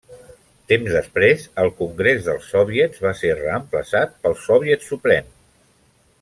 Temps després el Congrés dels Soviets va ser reemplaçat pel Soviet Suprem.